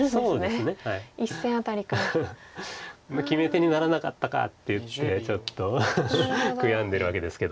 決め手にならなかったかっていってちょっと悔やんでるわけですけど。